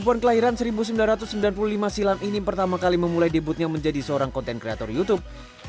kepon kelahiran seribu sembilan ratus sembilan puluh lima silam ini pertama kali memulai debutnya menjadi seorang content creator youtube